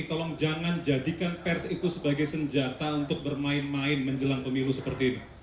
tolong jangan jadikan pers itu sebagai senjata untuk bermain main menjelang pemilu seperti ini